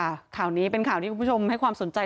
ข่าวนี้เป็นข่าวที่คุณผู้ชมให้ความสนใจ